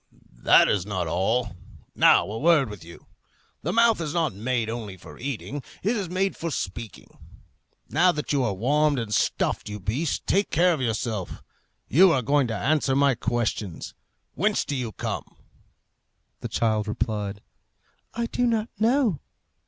"That is not all. Now, a word with you. The mouth is not made only for eating; it is made for speaking. Now that you are warmed and stuffed, you beast, take care of yourself. You are going to answer my questions. Whence do you come?" The child replied, "I do not know."